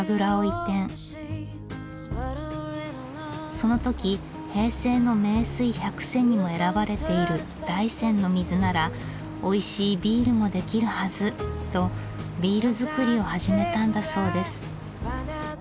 その時平成の名水百選にも選ばれている大山の水なら「おいしいビールもできるはず」とビール造りを始めたんだそうです。